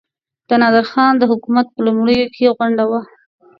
د نادرخان د حکومت په لومړیو کې غونډه وه.